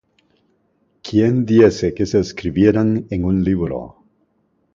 ¬Quién diese que se escribieran en un libro!